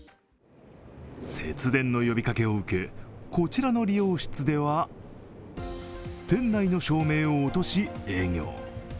節電の呼びかけを受けこちらの理容室では店内の照明を落とし、営業。